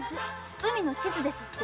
海の地図ですって。